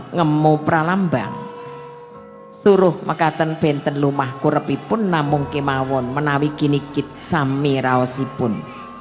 ngemu pralambang suruh mekatan benten lumah kurepi pun namun kemauan menawikinikit sami rausi pun